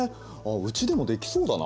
うちでもできそうだな。